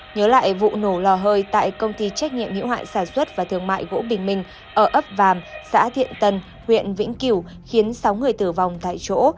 nhớ lại vụ nổ lò hơi tại công ty trách nhiệm hiệu hạn sản xuất và thương mại gỗ bình minh ở ấp vàm xã thiện tân huyện vĩnh cửu khiến sáu người tử vong tại chỗ